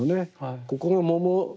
ここの桃。